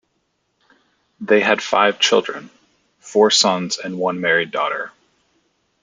They had five children: four sons and one married daughter.